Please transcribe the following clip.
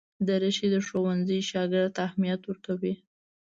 دریشي د ښوونځي شاګرد ته اهمیت ورکوي.